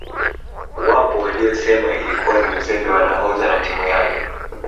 Wapo waliosema ilikuwa ni uzembe wa nahodha na timu yake